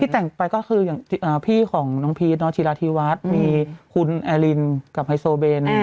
แต่งไปก็คืออย่างพี่ของน้องพีชนะธิวัฒน์มีคุณแอลินกับไฮโซเบน